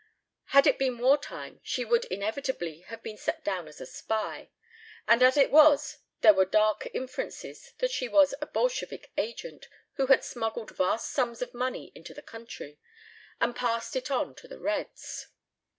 Had it been wartime she would inevitably have been set down as a spy, and as it was there were dark inferences that she was a Bolshevik agent who had smuggled vast sums of money into the country and passed it on to the Reds.